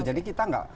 jadi kita gak